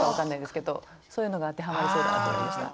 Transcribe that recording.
そういうのが当てはまりそうだなと思いました。